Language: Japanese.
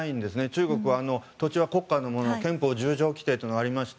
中国は土地は国家のもので憲法１０条規定というのがありまして。